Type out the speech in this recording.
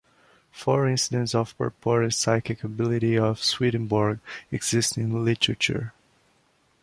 Four incidents of purported psychic ability of Swedenborg exist in the literature.